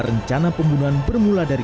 rencana pembunuhan bermula dari